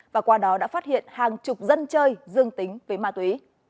và qua đó đã phát hiện hàng chục dân chơi dương tính với ma túy